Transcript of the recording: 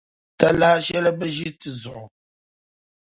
Talahi shɛli bi ʒi ti zuɣu.